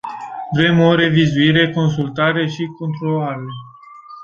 Vrem o revizuire, consultare și controale.